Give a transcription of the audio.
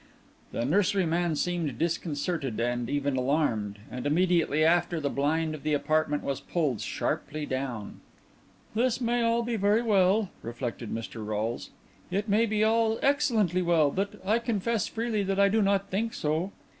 The nurseryman seemed disconcerted, and even alarmed; and immediately after the blind of the apartment was pulled sharply down. "This may all be very well," reflected Mr. Rolles; "it may be all excellently well; but I confess freely that I do not think so.